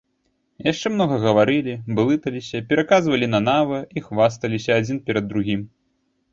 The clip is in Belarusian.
Яшчэ многа гаварылі, блыталіся, пераказвалі нанава і хвасталіся адзін перад другім.